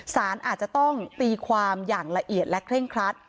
สารอาจจะต้องตีความอย่างละเอียดและเคร่งครัด